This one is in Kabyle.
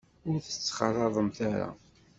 Ur t-ttxalaḍemt ara.